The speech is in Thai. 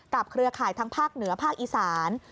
เครือข่ายทั้งภาคเหนือภาคอีสาน